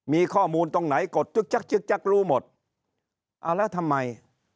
มีข้อมูลตรงไหนกดจึ๊กจักจึ๊กจักรู้หมดอ่าแล้วทำไม